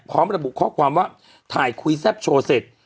พร้อมระบุข้อความว่าถ่ายคุยแซ่บโชว์เสร็จ